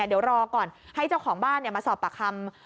เดี๋ยวรอก่อนให้เจ้าของบ้านมาสอบปากคำ